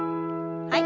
はい。